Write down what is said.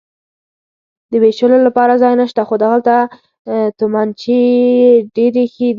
د وېشتلو لپاره ځای نشته، خو دغه تومانچې ډېرې ښې دي.